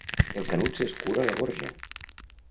El Canut s'escura la gorja.